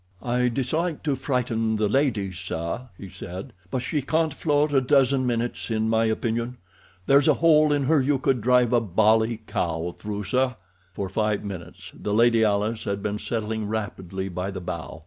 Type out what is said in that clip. "I dislike to frighten the ladies, sir," he said, "but she can't float a dozen minutes, in my opinion. There's a hole in her you could drive a bally cow through, sir." For five minutes the Lady Alice had been settling rapidly by the bow.